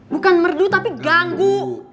bukan merdu tapi ganggu